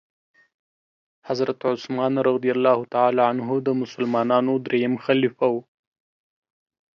حضرت عثمان رضي الله تعالی عنه د مسلمانانو دريم خليفه وو.